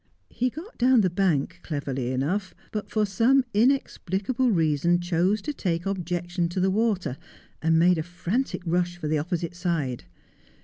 He got down the bank cleverly enough, but for some inexpli cable reason chose to take objection to the water, and made a frantic rush for the opposite side.